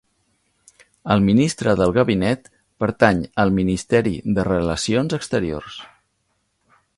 El ministre del gabinet pertany al Ministeri de Relacions Exteriors.